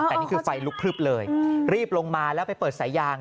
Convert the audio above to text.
แต่นี่คือไฟลุกพลึบเลยรีบลงมาแล้วไปเปิดสายยาง